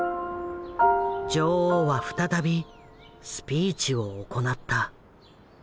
女王は再びスピーチを行った。